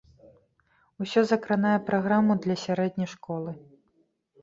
Усё закранае праграму для сярэдняй школы.